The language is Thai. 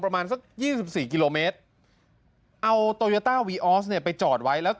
ประมาณสักยี่สิบสี่กิโลเมตรเอาเนี่ยไปจอดไว้แล้ว